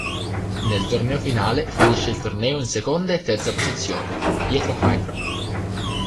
Nel torneo finale, finisce il torneo in seconda e terza posizione, dietro Hydra.